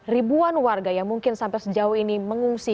ribuan warga yang mungkin sampai sejauh ini mengungsi